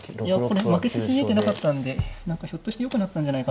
これ負け筋見えてなかったんで何かひょっとしてよくなったんじゃないかと。